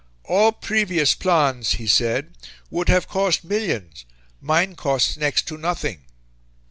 "All previous plans," he said, "would have cost millions; mine costs next to nothing."